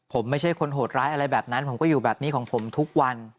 ผมไม่ใช่คนโหดร้ายอะไรแบบนั้นผมก็อยู่แบบนี้ของผมทุกวัน